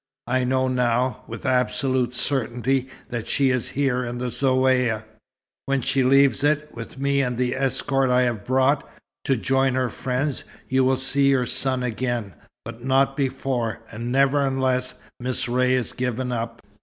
I know now, with absolute certainty, that she is here in the Zaouïa. When she leaves it, with me and the escort I have brought, to join her friends, you will see your son again, but not before; and never unless Miss Ray is given up."